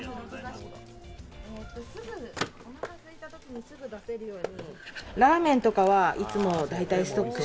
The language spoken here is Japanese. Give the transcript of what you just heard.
おなかすいたときにすぐ出せるように。